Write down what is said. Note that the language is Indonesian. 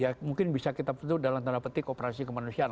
ya mungkin bisa kita bentuk dalam tanda petik operasi kemanusiaan